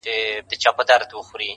زما په یاد دي پاچا خره ته وه ویلي٫